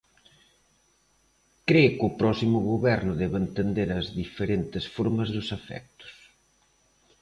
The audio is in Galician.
Cre que o próximo goberno debe entender as diferentes formas dos afectos.